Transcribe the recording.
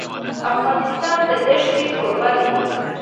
افغانستان د ښتې کوربه دی.